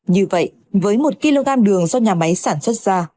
như vậy với một kg đường do nhà máy sản xuất ra